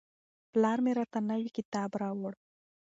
پلار مې راته نوی کتاب راوړ.